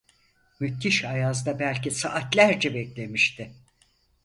Müthiş ayazda belki saatlerce beklemişti…